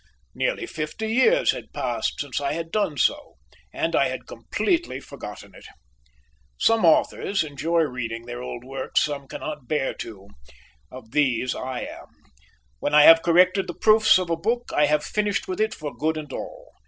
Nearly fifty years had passed since I had done so, and I had completely forgotten it. Some authors enjoy reading their old works; some cannot bear to. Of these I am. When I have corrected the proofs of a book, I have finished with it for good and all.